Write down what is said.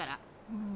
うん。